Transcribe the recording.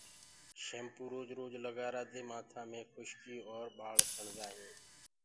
شيمپو روج روج لگآرآ دي مآٿآ مي کُشڪي اور ٻآݪ ڇڻدآ هينٚ۔